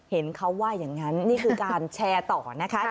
เห็นเขาว่าอย่างนั้นนี่คือการแชร์ต่อนะคะ